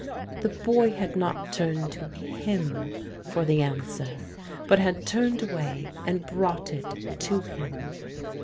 The boy had not turned to him for the answer, but had turned away and brought it to him.